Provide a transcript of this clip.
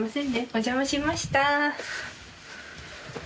お邪魔しました。